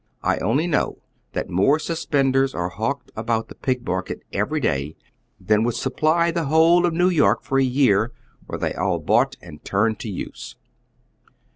I only know that more suspendere are hawked about the Pig market every day than would supply the whole of New York for a year, wei'e they all bought and turned to use.